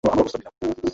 ভুল স্লাইড দেখিয়েছি।